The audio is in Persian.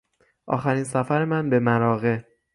آخرین سفر من به مراغه